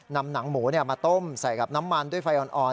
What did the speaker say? นำหนังหมูมาต้มใส่กับน้ำมันด้วยไฟอ่อน